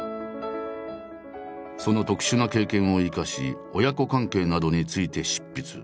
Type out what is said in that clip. その特殊な経験を生かし親子関係などについて執筆。